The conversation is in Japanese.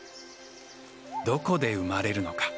どこで生まれるのか？